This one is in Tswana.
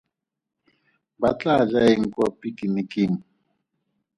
Ba tlaa ja eng kwa pikiniking?